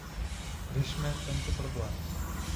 Řešme tento problém.